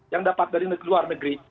yang dapat dari luar negeri